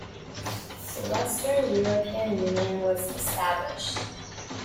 The Western European Union was established.